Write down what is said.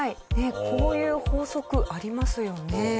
こういう法則ありますよね。